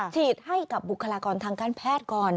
ฉีดให้กับบุคลากรทางการแพทย์ก่อน